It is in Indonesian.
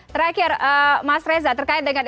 terakhir mas reza terkait dengan